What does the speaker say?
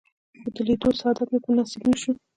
خو د لیدو سعادت مې په نصیب نه شو.